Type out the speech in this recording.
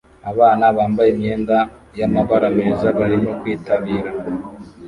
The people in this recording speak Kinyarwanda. Abana bambaye imyenda yamabara meza barimo kwitabira